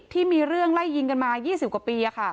ที่มีเรื่องไล่ยิงกันมา๒๐กว่าปี